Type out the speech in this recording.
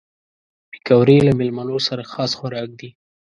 پکورې له مېلمنو سره خاص خوراک دي